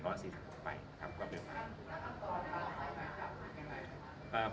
เป็นการทำก่อนการออกมไหมจับได้ไหม